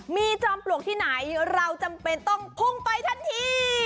มีจอมปลวกที่ไหนเราจำเป็นต้องพุ่งไปทันที